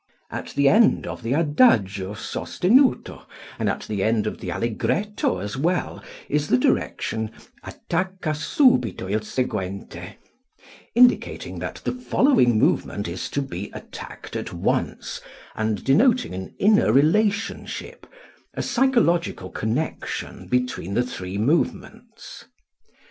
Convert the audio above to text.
At the end of the Adagio sostenuto and at the end of the Allegretto as well, is the direction "attacca subito il sequente," indicating that the following movement is to be attacked at once and denoting an inner relationship, a psychological connection between the three movements.